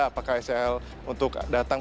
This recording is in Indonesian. apakah sel untuk datang